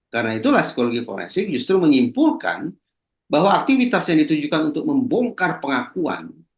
karena itulah psikologi forensik justru menyimpulkan bahwa aktivitas yang ditujukan untuk membongkar pengakuan